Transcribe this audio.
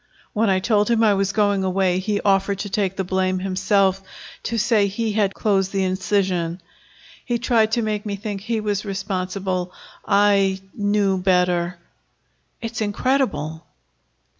When I told him I was going away, he offered to take the blame himself, to say he had closed the incision. He tried to make me think he was responsible. I knew better." "It's incredible."